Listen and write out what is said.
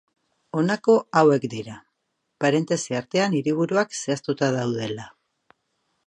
Honako hauek dira, parentesi artean hiriburuak zehaztuta daudela.